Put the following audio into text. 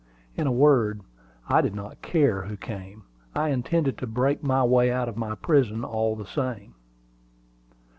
In a word, I did not care who came: I intended to break my way out of my prison, all the same.